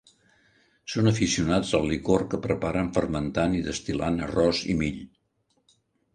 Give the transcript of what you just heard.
Són aficionats al licor que preparen fermentant i destil·lant arròs i mill.